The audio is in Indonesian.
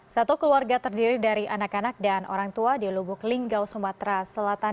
satu keluarga terdiri dari anak anak dan orang tua di lubuk linggau sumatera selatan